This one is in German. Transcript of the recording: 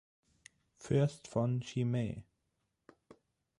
Fürst von Chimay.